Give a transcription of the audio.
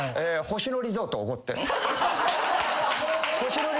「星野リゾートおごって」！？